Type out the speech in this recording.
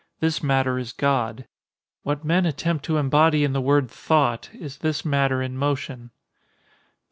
This matter is God. What men attempt to embody in the word "thought," is this matter in motion.